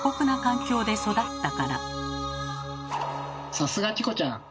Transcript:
さすがチコちゃん。